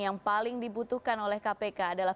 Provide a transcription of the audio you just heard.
yang paling dibutuhkan oleh kpk adalah